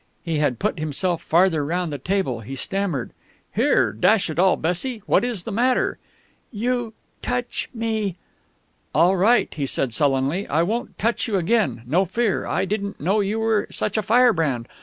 He had put himself farther round the table. He stammered. "Here dash it all, Bessie what is the matter?" "You touch me!" "All right," he said sullenly. "I won't touch you again no fear. I didn't know you were such a firebrand.